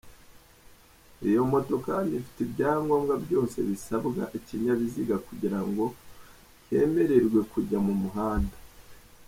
Iyi moto kandi ifite ibyangombwa byose bisabwa ikinyabiziga kugirango kemererwe kujya mu muhanda.